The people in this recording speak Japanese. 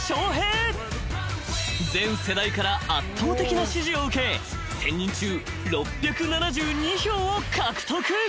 ［全世代から圧倒的な支持を受け１，０００人中６７２票を獲得］